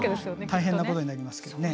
大変なことになりますけどね。